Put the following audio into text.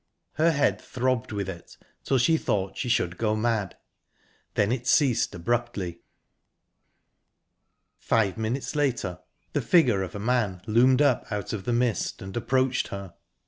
Her head throbbed with it, till she thought she should go mad. Then it ceased abruptly. Five minutes later, the figure of a man loomed up out of the mist and approached her.